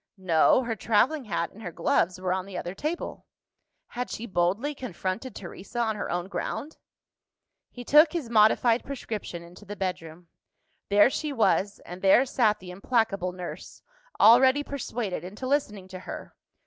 No: her travelling hat and her gloves were on the other table. Had she boldly confronted Teresa on her own ground? He took his modified prescription into the bedroom. There she was, and there sat the implacable nurse, already persuaded into listening to her!